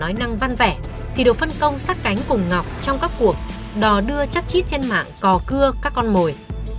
nói năng văn vẻ thì được phân công sát cánh cùng ngọc trong các cuộc đò đưa chất chít trên mạng cò cưa các con mồi